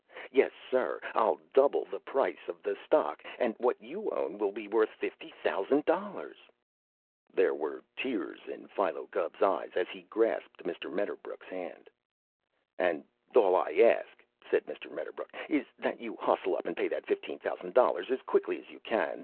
Yes, sir, I'll double the price of the stock, and what you own will be worth fifty thousand dollars!" There were tears in Philo Gubb's eyes as he grasped Mr. Medderbrook's hand. "And all I ask," said Mr. Medderbrook, "is that you hustle up and pay that fifteen thousand dollars as quick as you can.